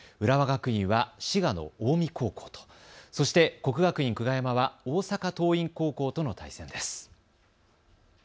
浦和学院は滋賀の近江高校とそして国学院久我山は大阪桐蔭高校との対戦です。